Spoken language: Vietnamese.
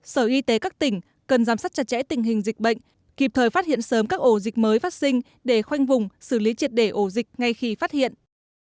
sở y tế các tỉnh cần giám sát chặt chẽ tình hình dịch bệnh kịp thời phát hiện sớm các ổ dịch mới phát sinh để khoanh vùng xử lý triệt để ổ dịch ngay khi phát hiện